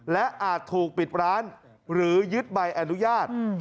และอาจถูกปิดร้านหรือยึดใบอนุญาต